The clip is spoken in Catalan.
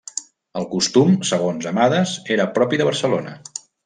El costum, segons Amades, era propi de Barcelona.